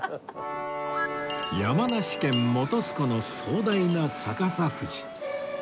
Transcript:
山梨県本栖湖の壮大な逆さ富士